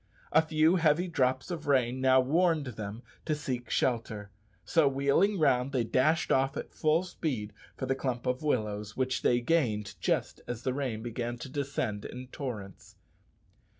A few heavy drops of rain now warned them to seek shelter, so wheeling round they dashed off at full speed for the clump of willows, which they gained just as the rain began to descend in torrents.